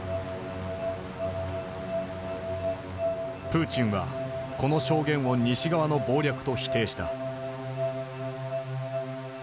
プーチンはこの証言を西側の謀略と否定した。